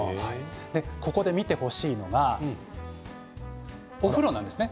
ここで見てほしいのがお風呂なんですね。